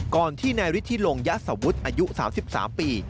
ก่อนที่ในวิทยาลงยะสวุธย์อายุ๓๓ปี